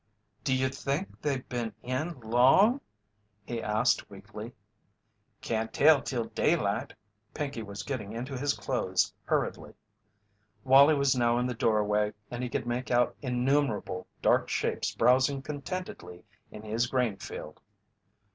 "Do you think they've been in long?" he asked, weakly. "Can't tell till daylight." Pinkey was getting into his clothes hurriedly. Wallie was now in the doorway and he could make out innumerable dark shapes browsing contentedly in his grain field.